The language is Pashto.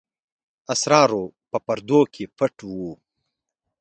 اسرارو په پردو کې پټ وو.